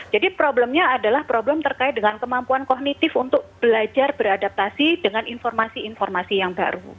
jadi problemnya adalah problem terkait dengan kemampuan kognitif untuk belajar beradaptasi dengan informasi informasi yang baru